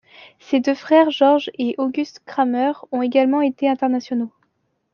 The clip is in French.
Ses deux frères Georges et Auguste Kramer ont également été internationaux.